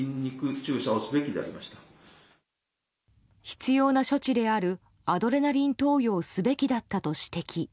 必要な処置であるアドレナリン投与をすべきだったと指摘。